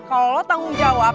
kalau lo tanggung jawab